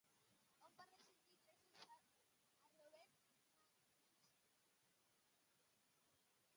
On va residir gràcies a Robert Mackintosh?